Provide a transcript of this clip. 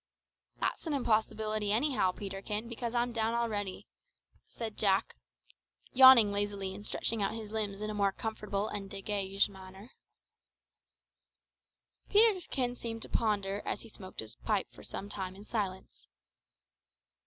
"That's an impossibility anyhow, Peterkin, because I'm down already," said Jack, yawning lazily and stretching out his limbs in a more comfortable and degage manner. Peterkin seemed to ponder as he smoked his pipe for some time in silence.